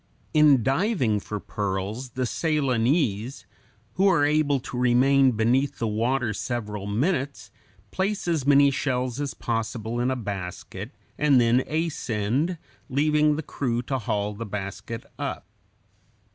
In diving for pearls the Ceylonese, who are able to remain beneath the water several minutes, place as many shells as possible in a basket and then ascend, leaving the crew to haul the basket up.